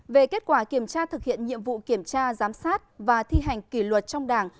về kết quả kiểm tra thực hiện nhiệm vụ kiểm tra giám sát và thi hành kỷ luật trong đảng